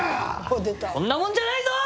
こんなもんじゃないぞ！